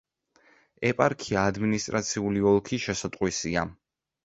ეპარქია ადმინისტრაციული ოლქის შესატყვისია.